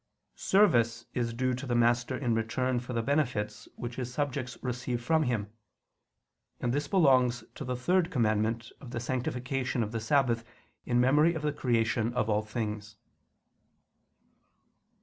Service is due to the master in return for the benefits which his subjects receive from him: and to this belongs the third commandment of the sanctification of the Sabbath in memory of the creation of all things.